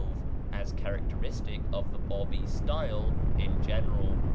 312) as characteristic of the Bábí style in general.